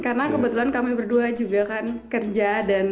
karena kebetulan kami berdua juga kan kerja